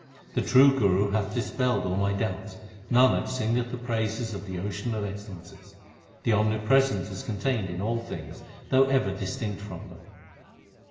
The true Guru hath dispelled all my doubts ; Nanak singeth the praises of the Ocean of excellences. The Omnipresent is contained in all things though ever distinct from them.